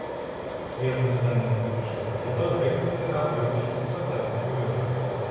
Während seiner politischen Karriere wechselte er häufig die Parteizugehörigkeit.